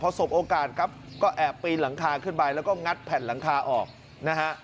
สบโอกาสครับก็แอบปีนหลังคาขึ้นไปแล้วก็งัดแผ่นหลังคาออกนะฮะ